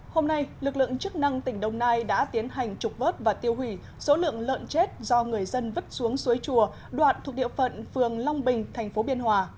hôm nay lực lượng chức năng tỉnh đồng nai đã tiến hành trục vớt và tiêu hủy số lượng lợn chết do người dân vứt xuống suối chùa đoạn thuộc địa phận phường long bình thành phố biên hòa